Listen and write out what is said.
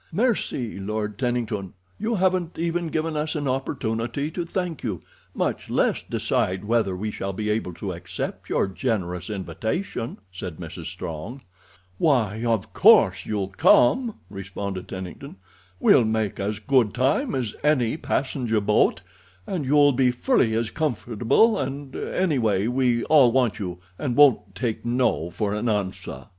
"Mercy, Lord Tennington, you haven't even given us an opportunity to thank you, much less decide whether we shall be able to accept your generous invitation," said Mrs. Strong. "Why, of course you'll come," responded Tennington. "We'll make as good time as any passenger boat, and you'll be fully as comfortable; and, anyway, we all want you, and won't take no for an answer."